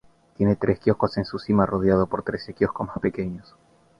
Tiene tres quioscos en su cima rodeados por trece quioscos más pequeños.